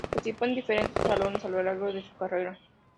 Participó en diferentes Salones a lo largo de su carrera.